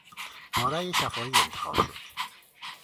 با رای شفاهی انتخاب شد.